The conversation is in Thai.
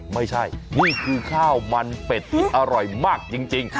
ไม่ใช่นี่คือข้าวมันเป็ดที่อร่อยมากจริง